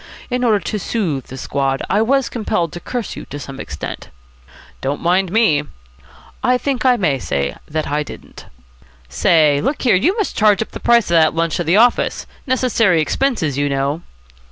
In order to soothe the squad I was compelled to curse you to some extent." "Don't mind me." "I think I may say I didn't." "Say, look here, you must charge up the price of that lunch to the office. Necessary expenses, you know."